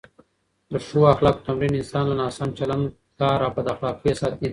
د ښو اخلاقو تمرین انسان له ناسم چلند، قهر او بد اخلاقۍ ساتي.